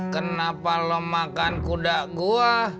kenapa lo makan kuda gue